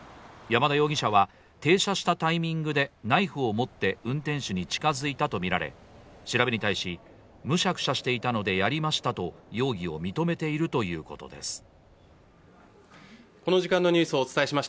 山田容疑者は停車したタイミングでナイフを持って運転手に近づいたとみられ調べに対しむしゃくしゃしていたのでやりましたと容疑を認めているということです。